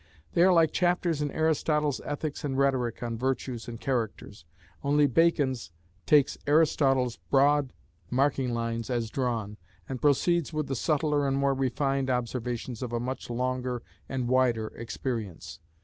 They are like chapters in Aristotle's Ethics and Rhetoric on virtues and characters; only Bacon's takes Aristotle's broad marking lines as drawn, and proceeds with the subtler and more refined observations of a much longer and wider experience.